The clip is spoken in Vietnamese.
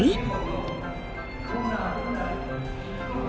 nghe giáo lộn